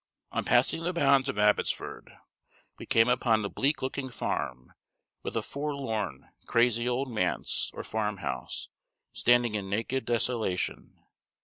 On passing the bounds of Abbotsford, we came upon a bleak looking farm, with a forlorn, crazy old manse, or farmhouse, standing in naked desolation.